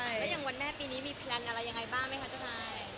แล้วอย่างวันแม่ปีนี้มีแพลนอะไรยังไงบ้างไหมคะเจ้านาย